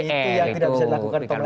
itu yang tidak bisa dilakukan